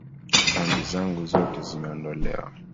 Dhambi zangu zote zimeondolewa,